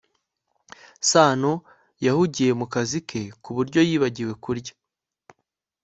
sano yahugiye mu kazi ke ku buryo yibagiwe kurya